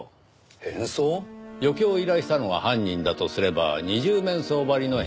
余興を依頼したのが犯人だとすれば二十面相ばりの変装の名人。